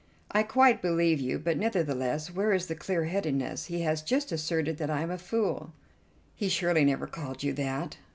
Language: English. "I quite believe you, but nevertheless where is the clear headedness? He has just asserted that I am a fool." "He surely never called you that."